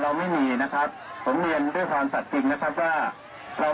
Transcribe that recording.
เราไม่มีงบประมาณใดทั้งเจ้นจากรัฐบาล